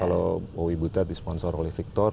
kalau owi buta di sponsor oleh victor